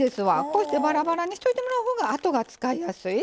こうしてバラバラにしといてもらうほうがあとが使いやすい。